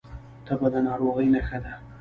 تبه د ناروغۍ نښه ده